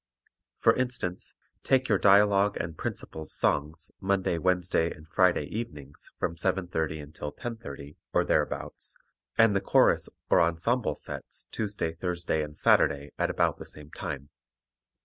For instance, take your dialogue and principals' songs Monday, Wednesday and Friday evenings, from 7:30 until 10:30, or thereabouts; and the chorus or ensemble sets Tuesday, Thursday and Saturday at about the same time.